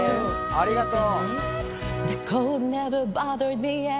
ありがとう。